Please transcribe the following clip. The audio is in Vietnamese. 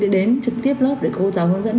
đến trực tiếp lớp để cô giáo hướng dẫn